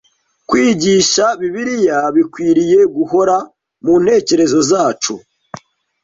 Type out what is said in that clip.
Kwigisha Bibiliya bikwiriye guhora mu ntekerezo zacu,